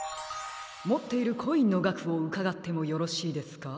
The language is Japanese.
もっているコインのがくをうかがってもよろしいですか？